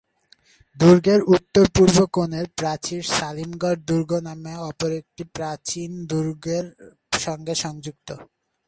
দুর্গের উত্তর-পূর্ব কোণের প্রাচীর সালিমগড় দুর্গ নামে অপর একটি প্রাচীন দুর্গের সঙ্গে সংযুক্ত।